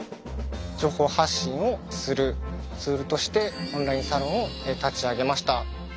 情報発信をするツールとしてオンラインサロンを立ち上げました。